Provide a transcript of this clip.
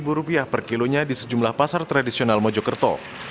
sebelumnya harga daging ayam dijual di sejumlah pasar tradisional mojokerto